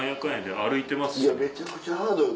めちゃくちゃハードよ